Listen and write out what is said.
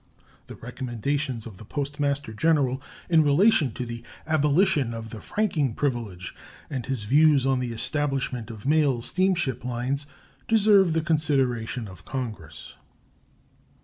The recommendations of the Postmaster General in relation to the abolition of the franking privilege and his views on the establishment of mail steamship lines deserve the consideration of Congress.